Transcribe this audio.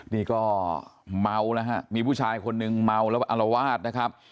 นี่ก็เมานะฮะมีผู้ชายคนนึงเมาแล้วอลวาดนะครับ